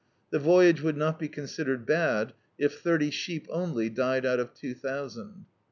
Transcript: The voyage would not be considered bad if thirty sheep cxily died out of two thousand.